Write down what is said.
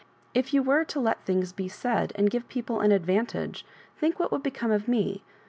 " If you were to let things be 8ai4, and give peo ple an advantage, think what would become of me.